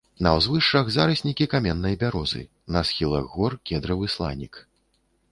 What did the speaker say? На ўзвышшах зараснікі каменнай бярозы, на схілах гор кедравы сланік.